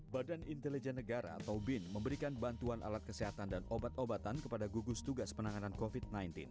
badan intelijen negara atau bin memberikan bantuan alat kesehatan dan obat obatan kepada gugus tugas penanganan covid sembilan belas